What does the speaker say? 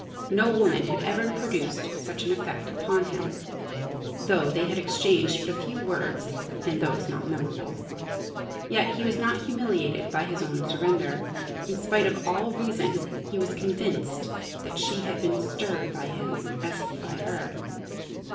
No woman had ever produced such an effect upon him, though they had exchanged but a few words, and those not memorable. Yet he was not humiliated by his own surrender. In spite of all reason he was convinced that she had been stirred by him as he by her.